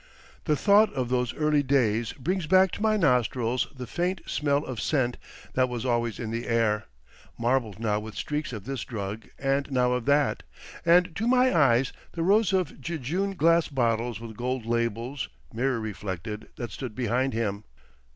The thought of those early days brings back to my nostrils the faint smell of scent that was always in the air, marbled now with streaks of this drug and now of that, and to my eyes the rows of jejune glass bottles with gold labels, mirror reflected, that stood behind him.